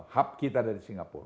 hub kita dari singapura